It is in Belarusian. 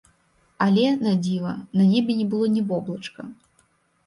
Але, на дзіва, на небе не было ні воблачка!